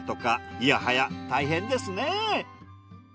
いやはや大変ですね！